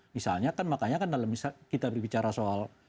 misalnya kan makanya kan kalau misalnya kita berbicara soal